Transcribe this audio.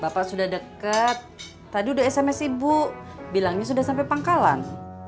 bapak sudah dekat tadi udah sms ibu bilangnya sudah sampai pangkalan